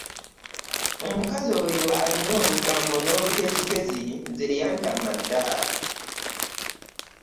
Omukazi oyo alina olugambo n'olugezigezi nze yantoma dda.